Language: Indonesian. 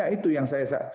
ya itu yang saya pikir